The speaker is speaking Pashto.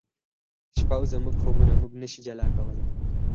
شپه او زموږ خوبونه موږ نه شي جلا کولای